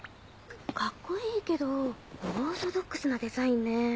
カッコいいけどオーソドックスなデザインね。